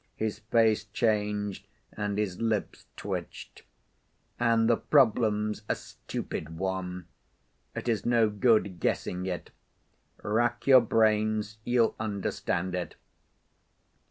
His face changed, and his lips twitched. "And the problem's a stupid one. It is no good guessing it. Rack your brains—you'll understand it.